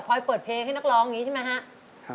เปิดเพลงให้นักร้องอย่างนี้ใช่ไหมครับ